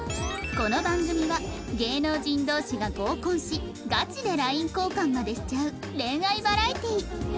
この番組は芸能人同士が合コンしガチで ＬＩＮＥ 交換までしちゃう恋愛バラエティ